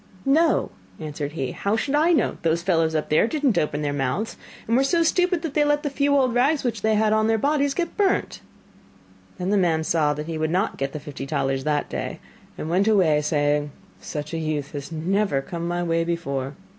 'No,' answered he, 'how should I know? Those fellows up there did not open their mouths, and were so stupid that they let the few old rags which they had on their bodies get burnt.' Then the man saw that he would not get the fifty talers that day, and went away saying: 'Such a youth has never come my way before.